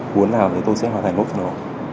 muốn nào thì tôi sẽ hòa thành mốc cho nó